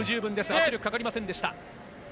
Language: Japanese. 圧力かかりませんでした。